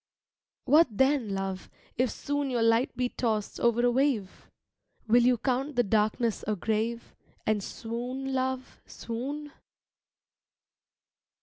What then, love, if soon Your light be tossed over a wave? Will you count the darkness a grave, And swoon, love, swoon?